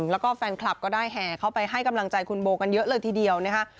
แล้วก็แฟนคลับก็ได้แห่เข้าไปให้กำลังใจคุณโบกันเยอะเลยทีเดียวนะคะ